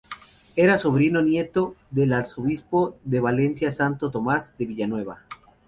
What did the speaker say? Era sobrino-nieto del arzobispo de Valencia Santo Tomás de Villanueva.